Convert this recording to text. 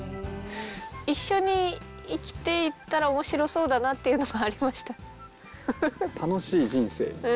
一緒に生きていったらおもしろそうだなっていうのはありまし楽しい人生。